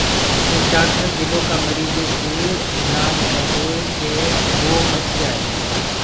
ايڪ ڊآڪٽر دلو ڪآ مريٚجو ڪوُ الآج ڪردوئي ڪي وو بچ جآئي